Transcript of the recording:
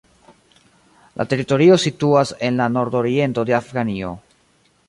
La teritorio situas en la nordoriento de Afganio.